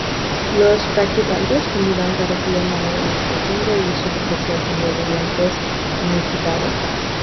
Los practicantes combinan terapia manual profunda y superficial con movimientos incitados.